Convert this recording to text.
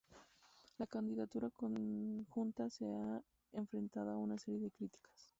La candidatura conjunta se ha enfrentado a una serie de críticas.